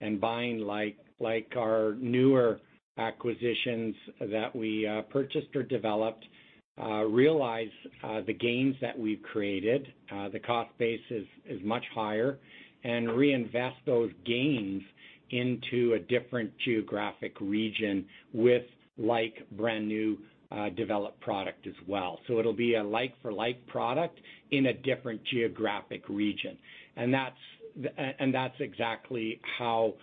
and buying like. Our newer acquisitions that we purchased or developed, realize the gains that we've created. The cost base is much higher, and reinvest those gains into a different geographic region with like brand-new developed product as well. It'll be a like-for-like product in a different geographic region. That's exactly how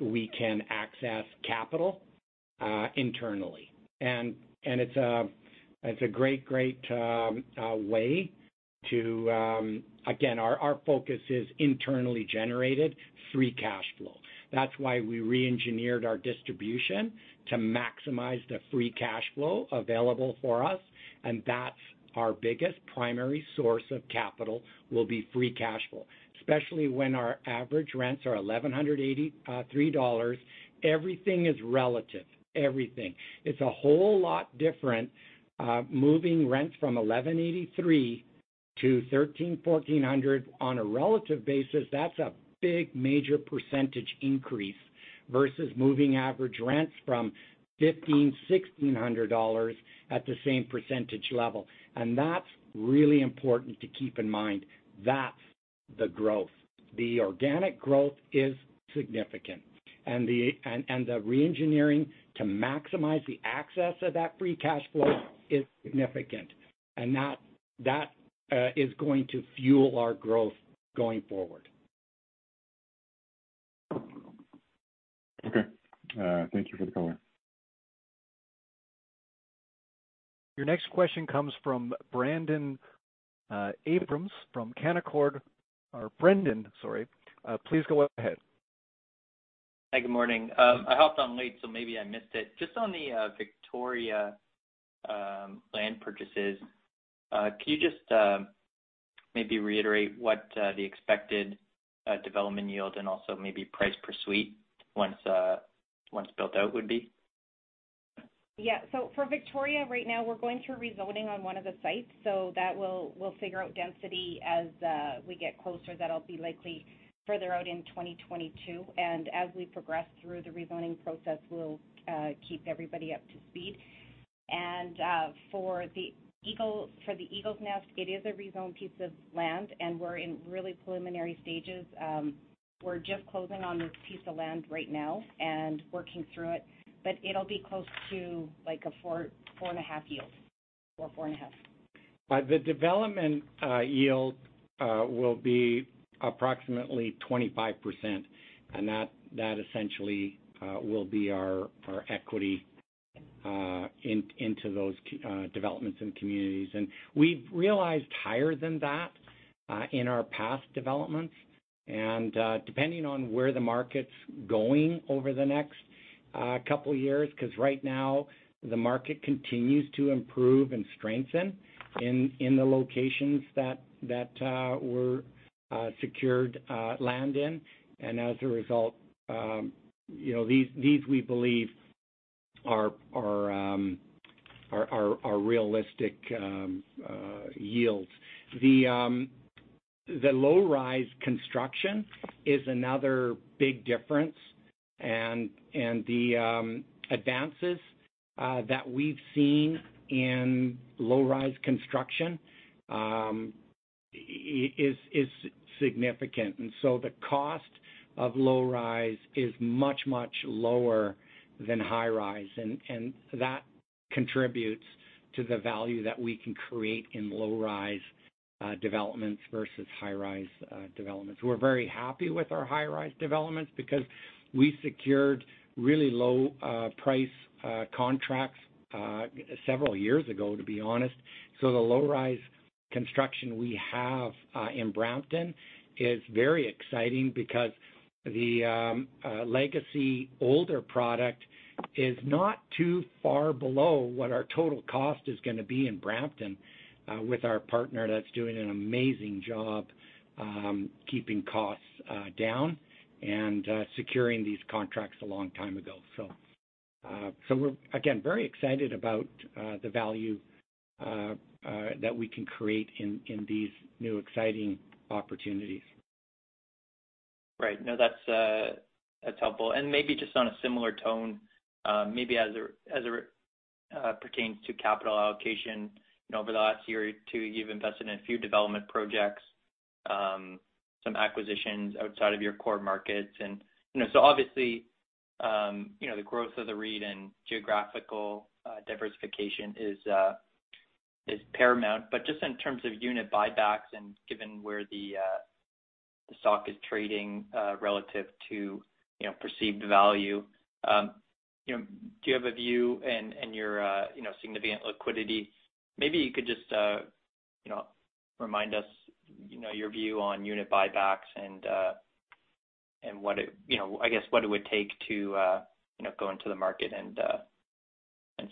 we can access capital internally. It's a great way. Again, our focus is internally generated free cash flow. That's why we re-engineered our distribution to maximize the free cash flow available for us, and that's our biggest primary source of capital, will be free cash flow, especially when our average rents are 1,183 dollars. Everything is relative. Everything. It's a whole lot different moving rents from 1,183-1,300, 1,400. On a relative basis, that's a big, major percentage increase versus moving average rents from 1,500 dollars, 1,600 dollars at the same percentage level. That's really important to keep in mind. That's the growth. The organic growth is significant. The re-engineering to maximize the access of that free cash flow is significant. That is going to fuel our growth going forward. Okay. Thank you for the color. Your next question comes from Brendon Abrams from Canaccord. Brendon, sorry. Please go ahead. Hi, good morning. I hopped on late, so maybe I missed it. Just on the Victoria land purchases, can you just maybe reiterate what the expected development yield and also maybe price per suite once built-out would be? Yeah. For Victoria right now, we're going through rezoning on one of the sites. That we'll figure out density as we get closer. That'll be likely further out in 2022. As we progress through the rezoning process, we'll keep everybody up to speed. For the Eagle's Nest, it is a rezoned piece of land, and we're in really preliminary stages. We're just closing on this piece of land right now and working through it. It'll be close to a four and a half yield or four and a half. The development yield will be approximately 25%, that essentially will be our equity into those developments and communities. We've realized higher than that in our past developments, depending on where the market's going over the next couple of years, because right now the market continues to improve and strengthen in the locations that we're secured land in. As a result, these, we believe, are realistic yields. The low rise construction is another big difference. The advances that we've seen in low rise construction is significant. The cost of low rise is much, much lower than high rise, and that contributes to the value that we can create in low rise developments versus high rise developments. We're very happy with our high rise developments because we secured really low price contracts several years ago, to be honest. The low rise construction we have in Brampton is very exciting because the legacy older product is not too far below what our total cost is going to be in Brampton with our partner that's doing an amazing job keeping costs down and securing these contracts a long time ago. We're, again, very excited about the value that we can create in these new, exciting opportunities. Right. No, that's helpful. Maybe just on a similar tone, maybe as it pertains to capital allocation. Over the last year or two, you've invested in a few development projects, some acquisitions outside of your core markets. Obviously, the growth of the REIT and geographical diversification is paramount. Just in terms of unit buybacks and given where the stock is trading relative to perceived value, do you have a view and your significant liquidity. Maybe you could just remind us your view on unit buybacks and I guess, what it would take to go into the market and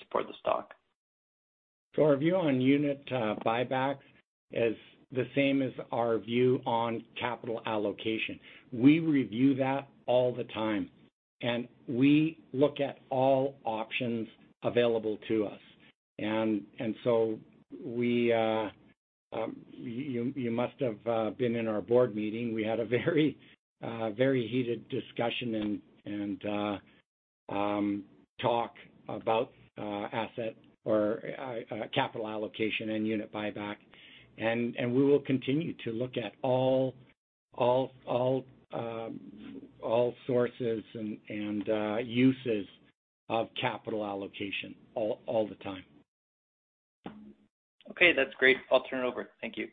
support the stock. Our view on unit buybacks is the same as our view on capital allocation. We review that all the time, and we look at all options available to us. You must have been in our board meeting. We had a very heated discussion and talk about asset or capital allocation and unit buyback. We will continue to look at all sources and uses of capital allocation all the time. Okay, that's great. I'll turn it over. Thank you.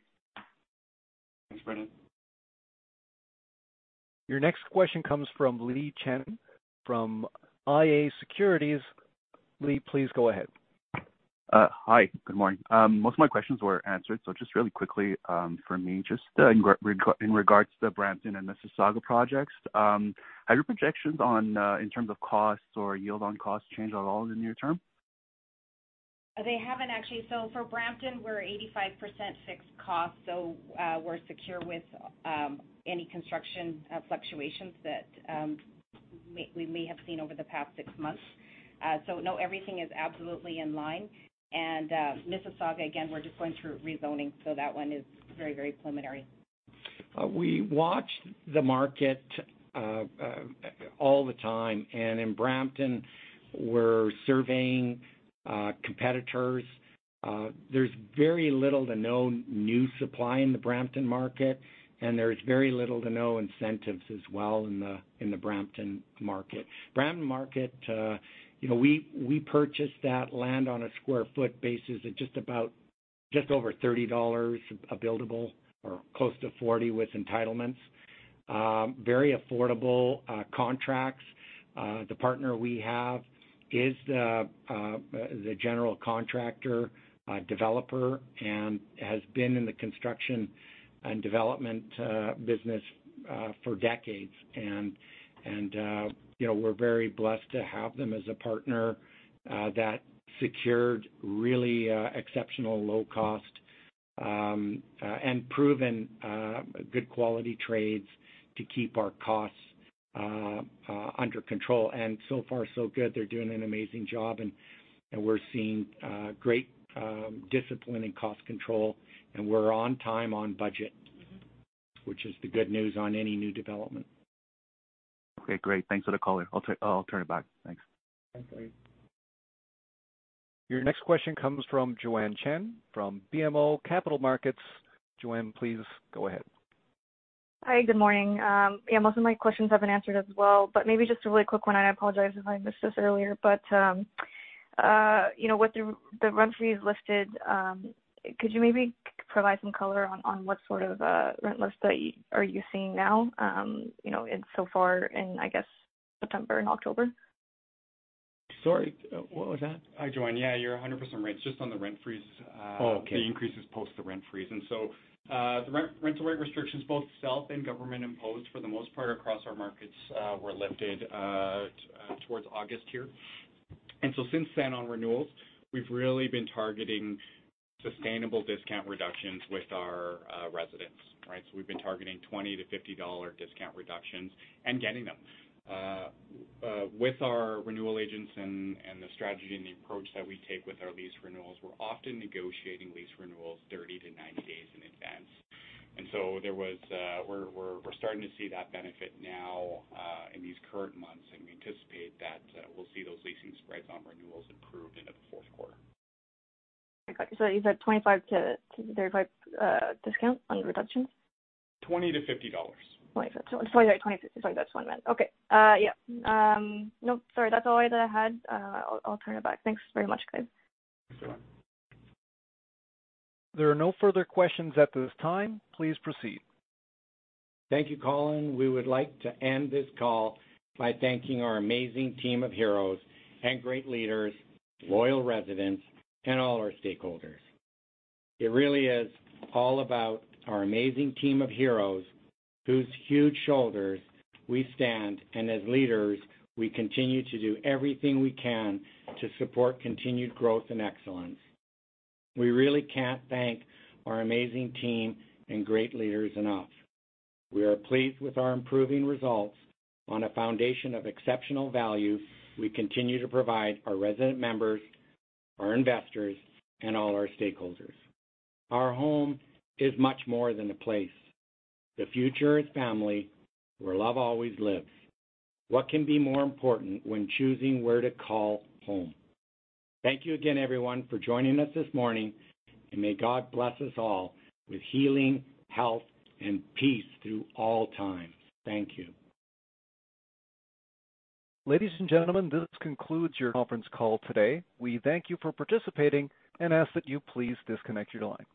Thanks, Brendon. Your next question comes from Liyan Chen from iA Securities. Liyan, please go ahead. Hi, good morning. Most of my questions were answered. Just really quickly for me, just in regards to Brampton and Mississauga projects, have your projections in terms of costs or yield on costs changed at all in the near term? They haven't, actually. For Brampton, we're 85% fixed cost, so we're secure with any construction fluctuations that we may have seen over the past six months. No, everything is absolutely in line. Mississauga, again, we're just going through rezoning, so that one is very preliminary. We watch the market all the time, and in Brampton, we're surveying competitors. There's very little to no new supply in the Brampton market, and there's very little to no incentives as well in the Brampton market. Brampton market, we purchased that land on a square foot basis at just over 30 dollars a buildable or close to 40 with entitlements. Very affordable contracts. The partner we have is the general contractor, developer, and has been in the construction and development business for decades. We're very blessed to have them as a partner that secured really exceptional low cost and proven good quality trades to keep our costs under control. So far so good. They're doing an amazing job, and we're seeing great discipline in cost control, and we're on time, on budget, which is the good news on any new development. Okay, great. Thanks for the color. I'll turn it back. Thanks. Thanks, Liyan. Your next question comes from Joanne Chen from BMO Capital Markets. Joanne, please go ahead. Hi, good morning. Yeah, most of my questions have been answered as well, but maybe just a really quick one. I apologize if I missed this earlier, but with the rent freeze listed, could you maybe provide some color on what sort of rent lifts that are you seeing now so far in, I guess, September and October? Sorry, what was that? Hi, Joanne. Yeah, you're 100% right. Just on the rent freeze- Oh, okay. the increases post the rent freeze. The rental rate restrictions, both self and government imposed for the most part across our markets, were lifted towards August here. Since then on renewals, we've really been targeting sustainable discount reductions with our residents, right? We've been targeting 20-50 dollar discount reductions and getting them. With our renewal agents and the strategy and the approach that we take with our lease renewals, we're often negotiating lease renewals 30-90 days in advance. We're starting to see that benefit now, in these current months, and we anticipate that we'll see those leasing spreads on renewals improve into the fourth quarter. I got you. You said 25-35 discount on reductions? 20-50 dollars. Sorry, that's what I meant. Okay. Yeah. Nope. Sorry, that's all I had. I'll turn it back. Thanks very much, guys. There are no further questions at this time. Please proceed. Thank you, Colin. We would like to end this call by thanking our amazing team of heroes and great leaders, loyal residents, and all our stakeholders. It really is all about our amazing team of heroes whose huge shoulders we stand and as leaders, we continue to do everything we can to support continued growth and excellence. We really can't thank our amazing team and great leaders enough. We are pleased with our improving results on a foundation of exceptional value we continue to provide our resident members, our investors, and all our stakeholders. Our home is much more than a place. The future is family, where love always lives. What can be more important when choosing where to call home? Thank you again, everyone, for joining us this morning, may God bless us all with healing, health, and peace through all times. Thank you. Ladies and gentlemen, this concludes your conference call today. We thank you for participating and ask that you please disconnect your line.